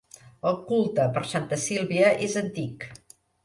El culte per Santa Sílvia és antic.